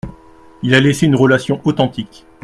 Il a laissé une relation authentique.